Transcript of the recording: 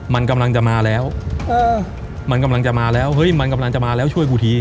มันกำลังจะมาแล้วมันกำลังจะมาแล้วเฮ้ยมันกำลังจะมาแล้วช่วยกูที